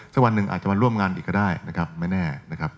วันหนึ่งอาจจะมาร่วมงานอีกก็ได้นะครับไม่แน่นะครับ